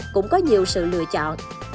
cũng có nhiều sự lựa chọn